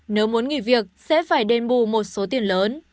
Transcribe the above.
nếu muốn nghỉ việc sẽ phải đền bù một số tiền lớn